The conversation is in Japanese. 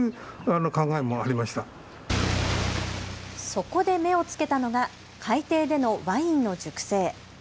そこで目をつけたのが海底でのワインの熟成。